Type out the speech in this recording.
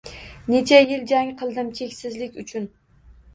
Necha yil jang qildim cheksizlik uchun